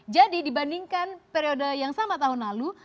jadi dibandingkan periode yang sama tahun lalu